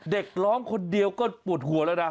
เด็กร้องคนเดียวก็ปวดหัวแล้วนะ